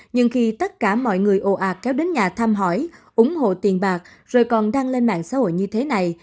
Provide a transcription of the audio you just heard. nhưng khi tất cả mọi người ồ ạt kéo đến nhà thăm hỏi ủng hộ tiền bạc rồi còn đăng lên mạng xã hội như thế này